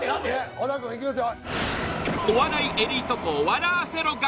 小田君いきますよ